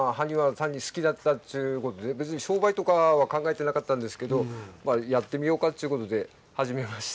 単に好きだったということで商売とか考えてなかったんですけどやってみようかということで始めました。